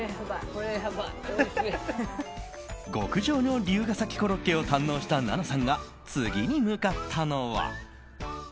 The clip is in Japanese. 極上の龍ケ崎コロッケを堪能した奈々さんが次に向かったのは。